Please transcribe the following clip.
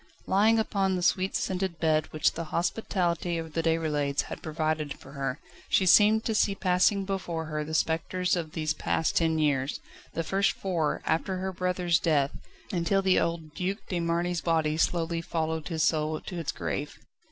Lying upon the sweet scented bed which the hospitality of the Déroulèdes had provided for her, she seemed to see passing before her the spectres of these past ten years the first four, after her brother's death, until the old Duc de Marny's body slowly followed his soul to its grave.